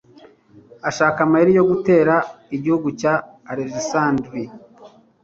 ashaka amayeri yo gutera igihugu cya alegisanderi